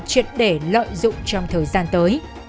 chuyện để lợi dụng trong thời gian tới